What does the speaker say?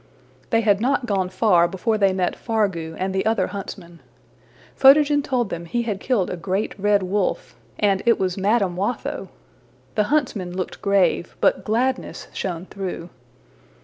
They had not gone far before they met Fargu and the other huntsmen. Photogen told them he had killed a great red wolf, and it was Madame Watho. The huntsmen looked grave, but gladness shone through.